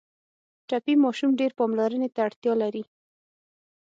ټپي ماشوم ډېر پاملرنې ته اړتیا لري.